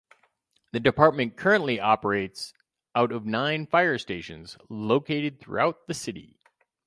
The department currently operates out of nine fire stations located throughout the city.